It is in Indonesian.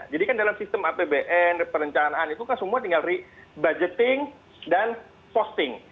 jadi kan dalam sistem apbn perencanaan itu kan semua tinggal re budgeting dan posting